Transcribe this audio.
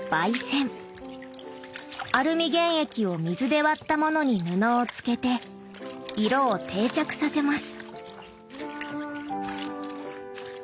アルミ原液を水で割ったものに布をつけて色を定着させます。